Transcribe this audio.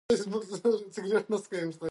زمرد د افغانستان د هیوادوالو لپاره ویاړ دی.